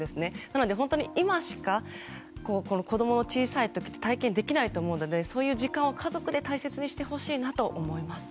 なので、本当に今しか子供の小さい時は体験できないと思うのでそういう時間を家族で大切にしてほしいなと思います。